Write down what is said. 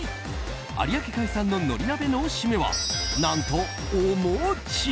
有明海産の海苔鍋のシメは何と、お餅！